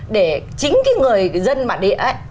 để chính cái người dân bản địa